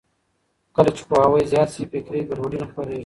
کله چې پوهاوی زیات شي، فکري ګډوډي نه خپرېږي.